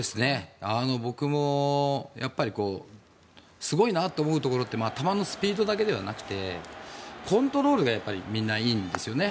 僕もすごいなと思うところって球のスピードだけじゃなくてコントロールがみんないいんですよね。